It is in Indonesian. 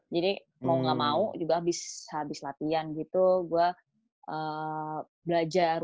jadi mau gak mau juga habis latihan gitu gue belajar